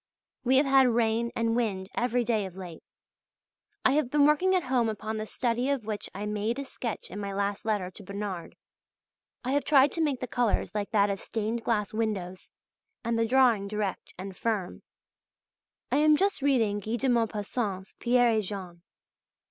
We have had rain and wind every day of late. I have been working at home upon the study of which I made a sketch in my last letter to Bernard. I have tried to make the colours like that of stained glass windows, and the drawing direct and firm. I am just reading Guy de Maupassant's "Pierre et Jean."